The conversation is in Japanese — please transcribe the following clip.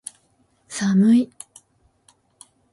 寒い